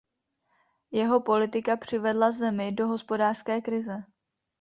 Jeho politika přivedla zemi do hospodářské krize.